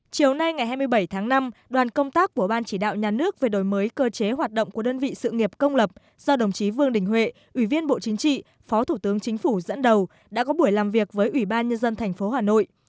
chiều nay ngày hai mươi bảy tháng năm đoàn công tác của ban chỉ đạo nhà nước về đổi mới cơ chế hoạt động của đơn vị sự nghiệp công lập do đồng chí vương đình huệ ủy viên bộ chính trị phó thủ tướng chính phủ dẫn đầu đã có buổi làm việc với ủy ban nhân dân tp hà nội